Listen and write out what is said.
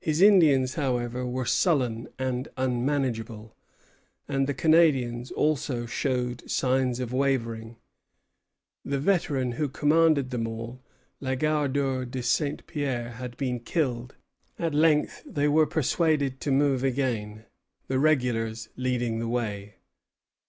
His Indians, however, were sullen and unmanageable, and the Canadians also showed signs of wavering. The veteran who commanded them all, Legardeur de Saint Pierre, had been killed. At length they were persuaded to move again, the regulars leading the way.